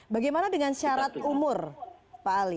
bagaimana dengan syarat umur pak ali